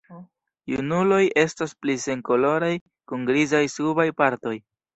Junuloj estas pli senkoloraj kun grizaj subaj partoj.